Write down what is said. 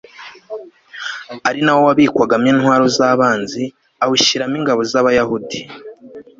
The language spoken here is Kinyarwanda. ari na wo wabikwagamo intwaro z'abanzi, awushyiramo ingabo z'abayahudi